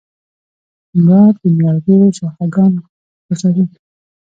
باد د نیالګیو شاخهګان خوځوي